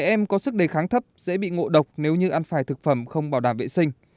trẻ em có sức đề kháng thấp dễ bị ngộ độc nếu như ăn phải thực phẩm không bảo đảm vệ sinh